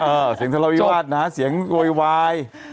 เสียงทะเลาวิวาสนะฮะเสียงโวยวาย